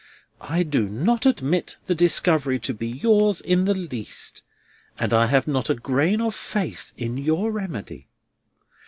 I do not admit the discovery to be yours in the least, and I have not a grain of faith in your remedy.